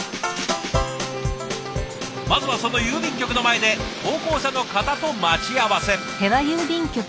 まずはその郵便局の前で投稿者の方と待ち合わせ。